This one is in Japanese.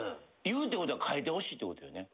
言うってことは替えてほしいってことよね。